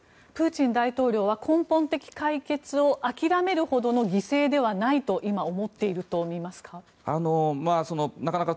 プーチン大統領は根本的解決を諦めるほどの犠牲ではないと今思っていると見ますか？